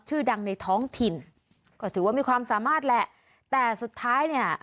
ชื่อดังในท้องถิ่นก็ถือว่ามีความสามารถแหละแต่สุดท้ายเนี่ย